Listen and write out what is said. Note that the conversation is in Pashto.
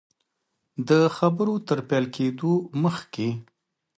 د خبرو تر پیل کېدلو مخکي.